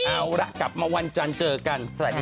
เอาล่ะกลับมาวันจานเจอกันสวัสดีค่ะ